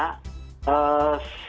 kalau kita melihat ya